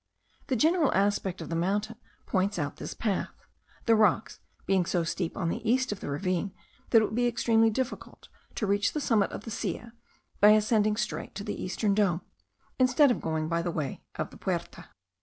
The general aspect of the mountain points out this path; the rocks being so steep on the east of the ravine that it would be extremely difficult to reach the summit of the Silla by ascending straight to the eastern dome, instead of going by the way of the Puerta.